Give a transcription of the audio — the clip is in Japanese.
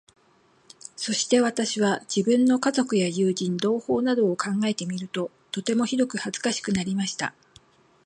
そして私は、自分の家族や友人、同胞などを考えてみると、とてもひどく恥かしくなりました。